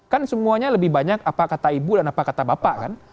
kan semuanya lebih banyak apa kata ibu dan apa kata bapak kan